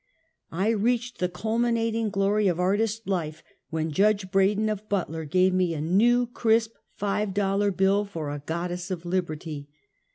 I reached the culminating glory of artist life, when Judge Braden, of Butler, gave me a new crisp five dollar bill for a Goddess of Liberty.